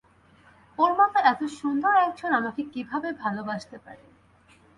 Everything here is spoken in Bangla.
ওর মতো এত সুন্দর একজন আমাকে কীভাবে ভালোবাসতে পারে?